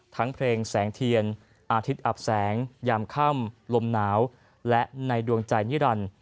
เพลงแสงเทียนอาทิตย์อับแสงยามค่ำลมหนาวและในดวงใจนิรันดิ์